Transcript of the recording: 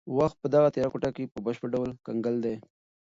وخت په دغه تیاره کوټه کې په بشپړ ډول کنګل دی.